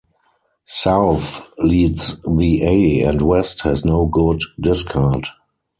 South leads the A and West has no good discard.